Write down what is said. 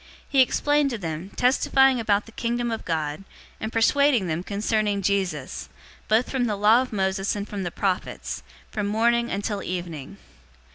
He explained to them, testifying about the Kingdom of God, and persuading them concerning Jesus, both from the law of Moses and from the prophets, from morning until evening.